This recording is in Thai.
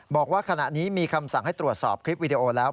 บอกว่าขณะนี้มีคำสั่งให้ตรวจสอบคลิปวิดีโอแล้ว